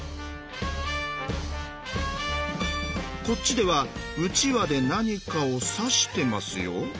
こっちではうちわで何かを指してますよ。